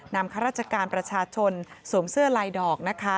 ข้าราชการประชาชนสวมเสื้อลายดอกนะคะ